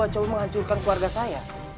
coba menghancurkan keluarga saya